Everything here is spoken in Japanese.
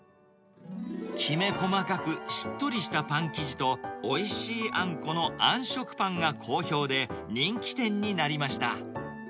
きめ細かく、しっとりしたパン生地と、おいしいあんこのあん食パンが好評で、人気店になりました。